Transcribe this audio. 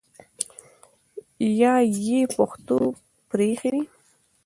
یا ئی پښتو پرېښې وي